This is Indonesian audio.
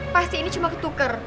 pasti ini cuma ketuker